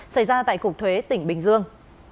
xảy ra tại cục thuế tỉnh bình dương